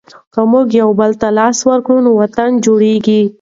که موږ یو بل ته لاس ورکړو نو وطن جوړیږي.